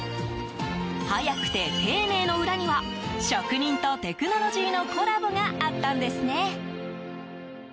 早くて丁寧の裏には職人とテクノロジーのコラボがあったんですね。